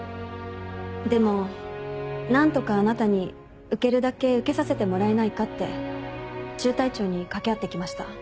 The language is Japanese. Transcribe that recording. でも何とかあなたに受けるだけ受けさせてもらえないかって中隊長に掛け合ってきました。